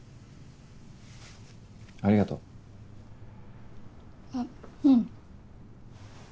ありがとう。あうん。